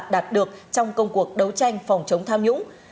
đạt được trong công cuộc đấu tranh phòng chống tham nhũng